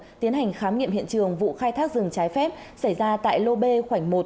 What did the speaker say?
tiến hành khám nghiệm hiện trường vụ khai thác rừng trái phép xảy ra tại lô b khoảnh một